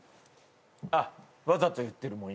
あっわざと言ってるもん